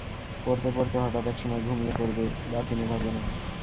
পড়তে-পড়তে হঠাৎ এক সময় ঘুমিয়ে পড়বে, বাতি নেভাবে না।